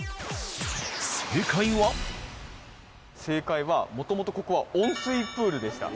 正解はもともとここは温水プールでした。